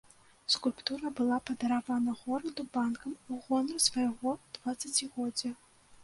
Скульптура была падаравана гораду банкам у гонар свайго дваццацігоддзя.